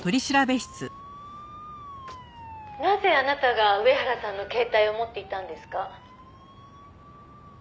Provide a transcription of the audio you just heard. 「なぜあなたが上原さんの携帯を持っていたんですか？」